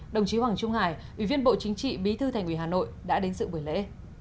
đồng chí hoàng trung hải ủy viên bộ chính trị bí thư thành ủy hà nội đã đến sự buổi lễ